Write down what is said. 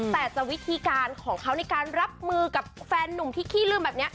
แต่จะวิธีการของเขาในการรับมือกับแฟนนุ่มที่ขี้ลืมแบบนี้